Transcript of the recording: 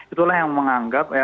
itulah yang menganggap